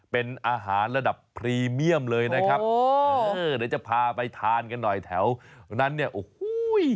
เป็นอาหารระดับพรีเมียมเลยนะครับเดี๋ยวจะพาไปทานกันหน่อยแถวนั้นเนี่ยโอ้โห